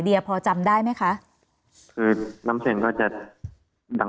เดียพอจำได้มั้ยค่ะคือน้ำเสียงก็จะ